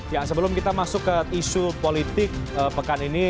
ya sebelum kita masuk ke isu politik pekan ini